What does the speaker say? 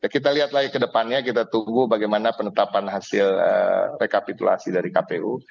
kita lihat lagi ke depannya kita tunggu bagaimana penetapan hasil rekapitulasi dari kpu